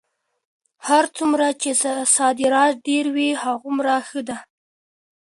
هر څومره چې صادرات ډېر وي هغومره ښه ده.